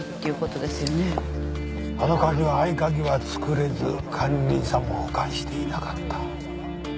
あの鍵は合鍵は作れず管理人さんも保管していなかった。